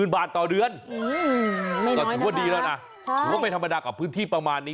บาทต่อเดือนก็ถือว่าดีแล้วนะถือว่าไม่ธรรมดากับพื้นที่ประมาณนี้